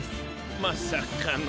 まさかの。